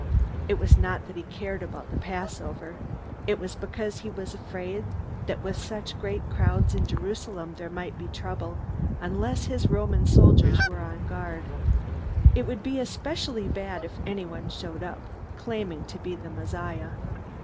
It was not that he cared about the Passover. It was because he was afraid that with such great crowds in Jerusalem there might be trouble unless his Roman soldiers were on guard. It would be especially bad if anyone showed up claiming to be the Messiah.